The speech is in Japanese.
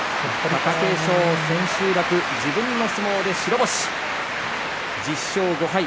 貴景勝、自分の相撲で白星１０勝５敗。